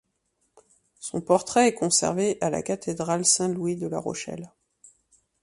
Son portrait est conservé à la cathédrale Saint-Louis de La Rochelle.